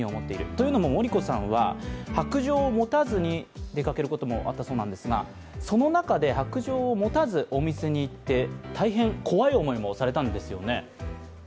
というのも、ＭＯＲＩＫＯさんは白杖を持たずに出かけることもあったそうですがその中で白杖を持たずお店に行って、大変、怖い思いもされたんですよね